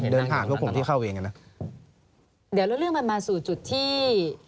เดินผ่านพวกผมที่เข้าเองอ่ะนะเดี๋ยวแล้วเรื่องมันมาสู่จุดที่